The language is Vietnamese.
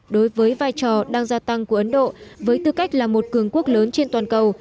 đối với vai trò đang gia tăng của ấn độ với tư cách là một cường quốc lớn trên toàn cầu